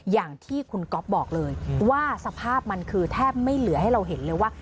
อย่างที่คุณก๊อฟบอกเลยว่าสภาพมันคือแทบไม่เหลือให้เราเห็นเลยว่า